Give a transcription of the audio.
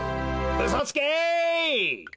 うそつけ！